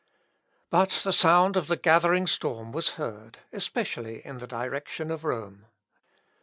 But the sound of the gathering storm was heard, especially in the direction of Rome.